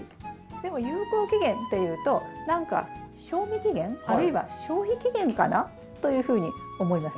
でも有効期限っていうと何か賞味期限あるいは消費期限かな？というふうに思います。